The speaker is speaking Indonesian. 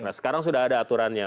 nah sekarang sudah ada aturannya